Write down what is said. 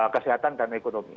kesehatan dan ekonomi